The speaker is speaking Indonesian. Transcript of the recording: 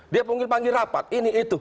dia panggil panggil rapat ini itu